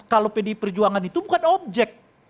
kalau pdi perjuangan itu bukan objek